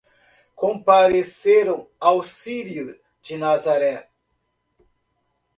Compareceram ao Círio de Nazaré